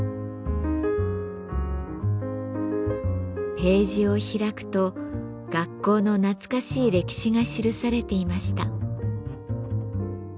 ページを開くと学校の懐かしい歴史が記されていました。